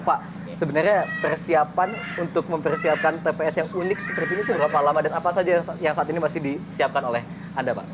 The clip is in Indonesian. pak sebenarnya persiapan untuk mempersiapkan tps yang unik seperti ini itu berapa lama dan apa saja yang saat ini masih disiapkan oleh anda pak